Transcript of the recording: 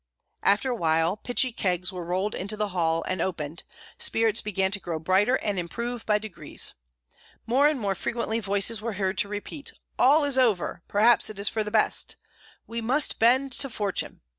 After a while pitchy kegs were rolled into the hall and opened. Spirits began to grow brighter and improve by degrees. More and more frequently voices were heard to repeat: "All is over! perhaps it is for the best!" "We must bend to fortune!"